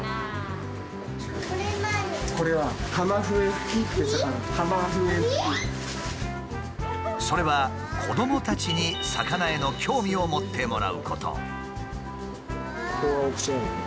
これはそれは子どもたちに魚への興味を持ってもらうこと。